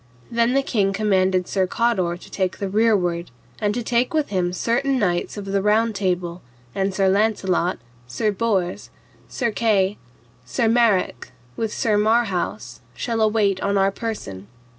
Then the king commanded Sir Cador to take the rearward, and to take with him certain knights of the Round Table, and Sir Launcelot, Sir Bors, Sir Kay, Sir Marrok, with Sir Marhaus, shall await on our person.